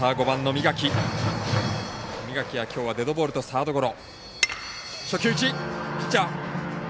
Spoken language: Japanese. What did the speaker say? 三垣は、きょうはデッドボールとサードゴロ。